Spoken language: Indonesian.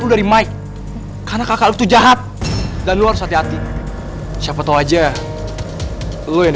lu dari mike karena kakak itu jahat dan lu harus hati hati siapa tahu aja lu yang